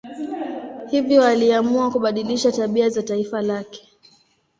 Hivyo aliamua kubadilisha tabia za taifa lake.